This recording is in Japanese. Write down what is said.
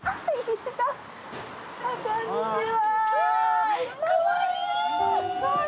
こんにちは！